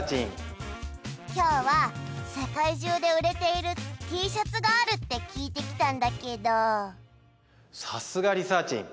今日は世界中で売れているＴシャツがあるって聞いてきたんだけどさすがリサーちん